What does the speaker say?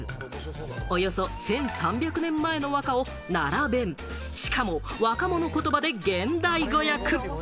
およそ１３００年前の和歌を奈良弁、しかも、若者言葉で現代語訳。